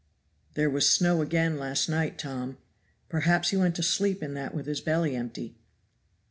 "There was snow again last night, Tom. Perhaps he went to sleep in that with his belly empty."